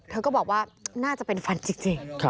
เธอก็บอกว่าน่าจะเป็นฝันจริง